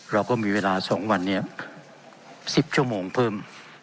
เราก็มีเวลา๒วันเนี่ย๑๐ชั่วโมงเพิ่ม